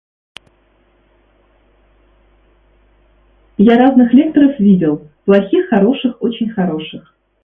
Я разных лекторов видел: плохих, хороших, очень хороших...